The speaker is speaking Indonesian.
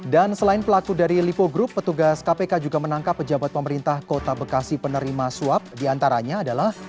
dan selain pelaku dari lipo group petugas kpk juga menangkap pejabat pemerintah kota bekasi penerima swap diantaranya adalah